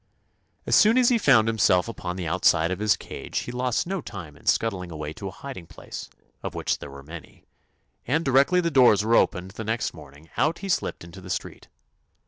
As soon as he found himself upon the outside of his cage he lost no time in scuttling away to a hiding place, of which there were many, and direct ly the doors were opened the next morning out he slipped into the street.